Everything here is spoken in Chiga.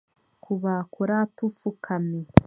Kubaakura tufukami